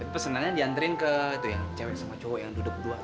pesanannya diantriin ke tuh ya cewek sama cowok yang duduk dua tuh